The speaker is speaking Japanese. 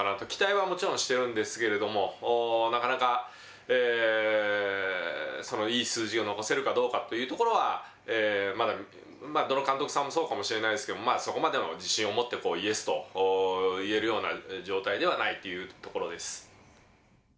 期待はもちろんしているんですけれども、なかなか、いい数字を残せるかどうかというのはまだ、どの監督さんもそうかもしれませんけど、まあ、そこまでの自信を持ってイエスと言えるような状態ではないというところです。